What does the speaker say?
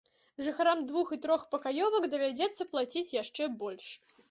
Жыхарам двух- і трохпакаёвак давядзецца плаціць яшчэ больш.